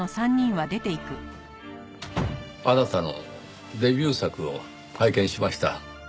あなたのデビュー作を拝見しました。